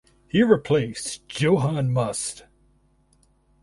He replaced Juhan Must.